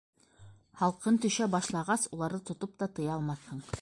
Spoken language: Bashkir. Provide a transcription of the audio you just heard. Һалҡын төшә башлағас, уларҙы тотоп та тыя алмаҫһың.